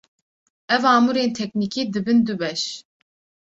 Ev amûrên teknîkî dibin du beş.